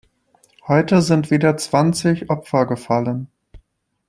Heute sind wieder zwanzig Opfer gefallen.